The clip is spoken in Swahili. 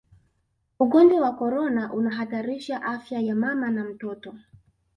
ugonjwa wa korona unahatarisha afya ya mama na mtoto